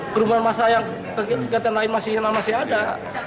kerumunan masa yang kegiatan lain masih ada